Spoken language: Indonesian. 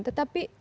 tetapi pt un